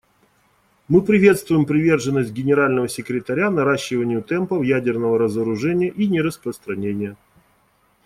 Мы приветствуем приверженность Генерального секретаря наращиванию темпов ядерного разоружения и нераспространения.